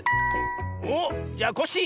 おっじゃあコッシー！